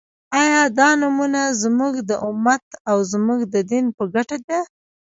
آیا دا نومؤنه زموږ د امت او زموږ د دین په ګټه ده؟